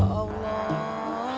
haji sulam gelandangan deh sekarang